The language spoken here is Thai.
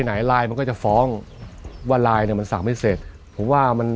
ไหนไลน์มันก็จะฟ้องว่าไลน์เนี้ยมันสั่งไม่เสร็จผมว่ามัน